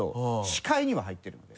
視界には入ってるので。